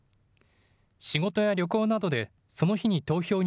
仕事や旅行などでその日に